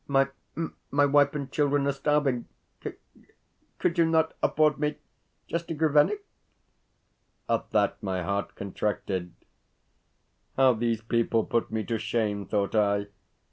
My my wife and children are starving. C could you not afford me just a grivennik?" At that my heart contracted, "How these people put me to shame!" thought I.